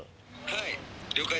はい。